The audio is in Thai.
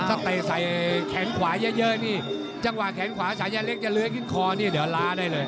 ถ้าเตะใส่แขนขวาเยอะนี่จังหวะแขนขวาฉายาเล็กจะเลื้อยขึ้นคอนี่เดี๋ยวล้าได้เลย